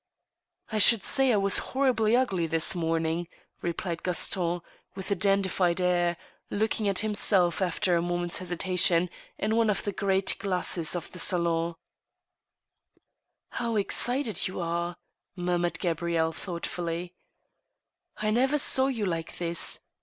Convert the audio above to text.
" I should say I was horribly ugly this morning," replied Gaston, with a dandified air, looking at himself, after a moment's hesitation, in one of the great glasses of the salon, * How excited you are !" murmured Gabrielle. thoughtfully ;" I never saw you like this.